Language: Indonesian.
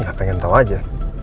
enggak pengen tahu aja